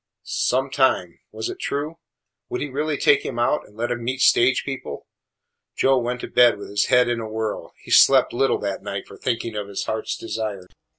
Some time. Was it true? Would he really take him out and let him meet stage people? Joe went to bed with his head in a whirl. He slept little that night for thinking of his heart's desire.